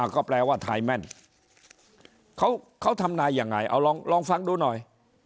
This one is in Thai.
ก็แปลว่าทายแม่นเขาทำนายยังไงเอาลองฟังดูหน่อย